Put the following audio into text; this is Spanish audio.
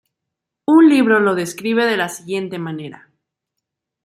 Un libro lo describe de la siguiente manera.